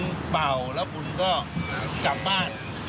คุณเป่าแล้วบุญก็กลับบ้าน